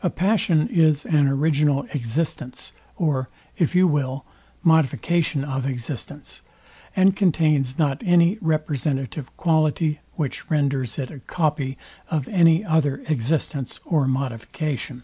A passion is an original existence, or, if you will, modification of existence, and contains not any representative quality, which renders it a copy of any other existence or modification.